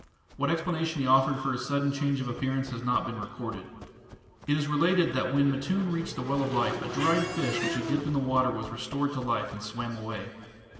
What explanation he offered for his sudden change of appearance has not been recorded. It is related that when Matun reached the Well of Life a dried fish which he dipped in the water was restored to life and swam away.